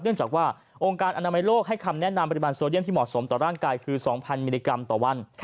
เนื่องจากว่าองค์การอนามัยโลกให้คำแนะนำปริมาณโซเดียมที่เหมาะสมต่อร่างกายคือ๒๐๐มิลลิกรัมต่อวัน